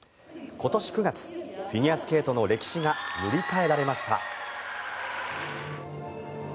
今年９月フィギュアスケートの歴史が塗り替えられました。